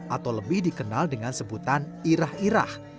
atau lebih dikenal dengan sebutan irah irah